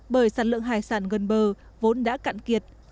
bởi sản lượng hải sản gần bờ vốn đã cạn kiệt